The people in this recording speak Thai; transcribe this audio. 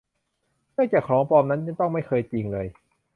เนื่องจากของปลอมนั้นต้องไม่เคยจริงเลย